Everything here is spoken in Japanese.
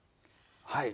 はい。